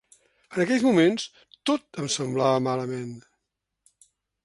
En aquells moments tot em semblava malament.